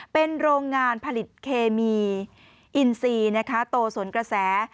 เป็นโรงงานผลิตเคมีอินซีนะคะโตสวนกระแส